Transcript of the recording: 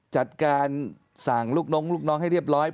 จัดการสั่งลูกน้องลูกน้องให้เรียบร้อย